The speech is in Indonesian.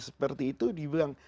seperti itu dibilang